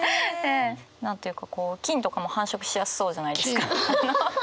何て言うか菌とかも繁殖しやすそうじゃないですか。